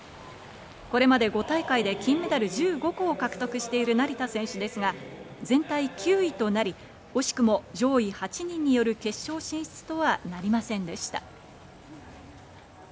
これまで５大会で金メダル１５個を獲得している成田選手ですが、全体９位となり、惜しくも上位８人による決勝進出とはなりませんでした。